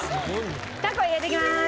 タコを入れていきます。